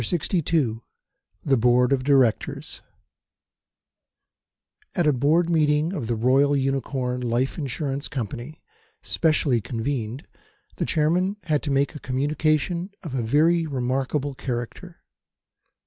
CHAPTER LXII THE BOARD OF DIRECTORS AT a Board Meeting of the Royal Unicorn Life Insurance Company, specially convened, the Chairman had to make a communication of a very remarkable character.